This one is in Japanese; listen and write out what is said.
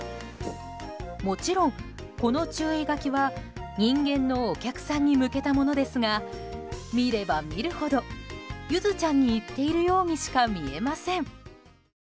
もちろん、この注意書きは人間のお客さんに向けたものですが見れば見るほど、ゆずちゃんに言っているようにしか見えません。